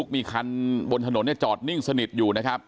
มีคันบนถนนจอดนิ่งสนิทอยู่นะครับ